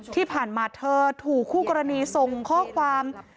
ที่ผ่านมาเธอถูกคู่กรณีส่งข้อความ